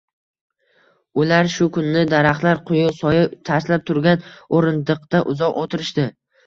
Ular shu kuni daraxtlar quyuq soya tashlab turgan o`rindiqda uzoq o`tirishdi